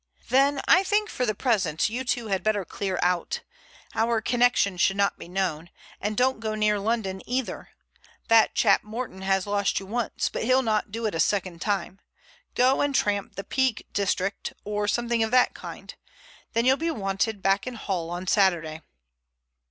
"Then I think for the present you two had better clear out. Our connection should not be known. And don't go near London either. That chap Morton has lost you once, but he'll not do it a second time. Go and tramp the Peak District, or something of that kind. Then you'll be wanted back in Hull on Saturday."